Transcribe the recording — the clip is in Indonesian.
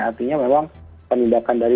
artinya memang penindakan dari